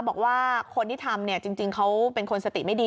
บอกว่าคนที่ทำเนี่ยจริงเขาเป็นคนสติไม่ดี